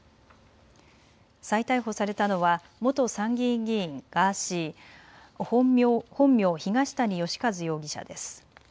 再逮捕されたのは元参議院議員のガーシー、本名・東谷義和容疑者です。